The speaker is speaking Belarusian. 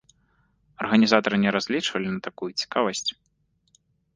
Арганізатары не разлічвалі на такую цікавасць.